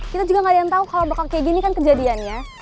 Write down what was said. kita juga gak ada yang tahu kalau bakal kayak gini kan kejadiannya